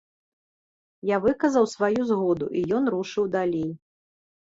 Я выказаў сваю згоду, і ён рушыў далей.